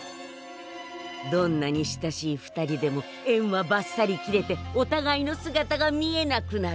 どんなに親しい２人でもえんはばっさり切れておたがいの姿が見えなくなる。